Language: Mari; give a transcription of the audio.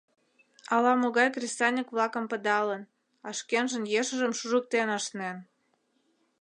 Ала-могай кресаньык-влакым пыдалын, а шкенжын ешыжым шужыктен ашнен!